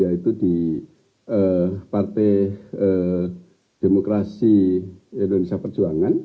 yaitu di partai demokrasi indonesia perjuangan